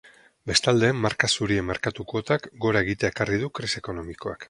Bestalde, marka zurien merkatu-kuotak gora egitea ekarri du krisi ekonomikoak.